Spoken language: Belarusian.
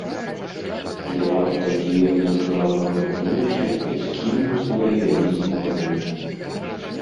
Але раптам звер нязграбна варухнуўся і скінуў з гары вялізны валун.